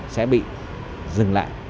sẽ bị dừng lại